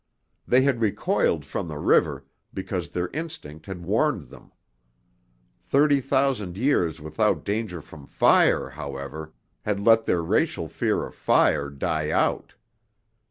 They had recoiled from the river, because their instinct had warned them. Thirty thousand years without danger from fire, however, had let their racial fear of fire die out.